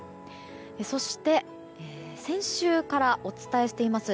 そして先週からお伝えしています